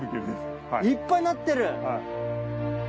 いっぱいなってる！